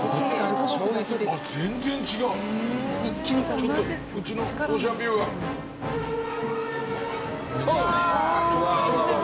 ちょっとうちのオーシャンビューが。うわうわうわ